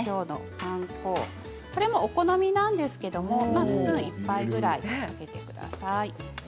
パン粉お好みなんですけどスプーン１杯ぐらい載せてください。